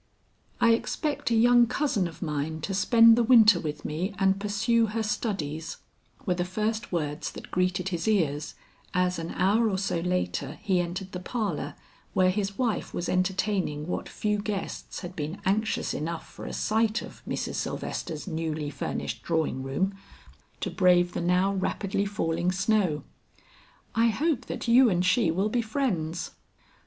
"I expect a young cousin of mine to spend the winter with me and pursue her studies," were the first words that greeted his ears as an hour or so later he entered the parlor where his wife was entertaining what few guests had been anxious enough for a sight of Mrs. Sylvester's newly furnished drawing room, to brave the now rapidly falling snow. "I hope that you and she will be friends."